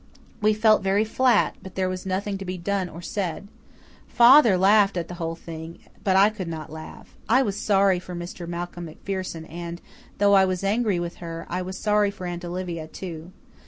We felt very flat, but there was nothing to be done or said. Father laughed at the whole thing, but I could not laugh. I was sorry for Mr. Malcolm MacPherson and, though I was angry with her, I was sorry for Aunt Olivia, too.